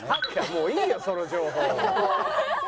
もういいよその情報。